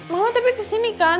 mama tapi kesini kan